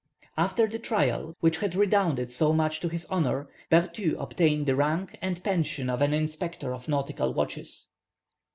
After this trial, which had redounded so much to his honour, Berthould obtained the rank and pension of an inspector of nautical watches.